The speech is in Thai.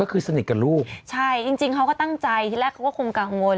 อืมใช่จริงเขาก็ตั้งใจที่แรกเขาก็คงกังวล